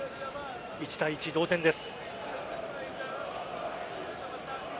１対１、同点です。